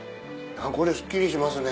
すっきりしますね。